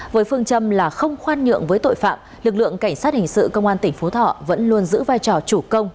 với phương châm là không khoan nhượng với tội phạm lực lượng cảnh sát hình sự công an tỉnh phú thọ vẫn luôn giữ vai trò chủ công